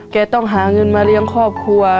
ต้องหาเงินมาเลี้ยงครอบครัว